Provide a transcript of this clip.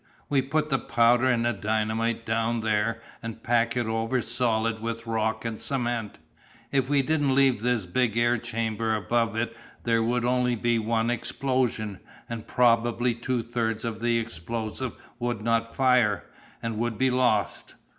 "We put the powder and dynamite down there, and pack it over solid with rock and cement. If we didn't leave this big air chamber above it there would be only one explosion, and probably two thirds of the explosive would not fire, and would be lost.